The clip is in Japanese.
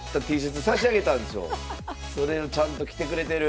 それをちゃんと着てくれてる。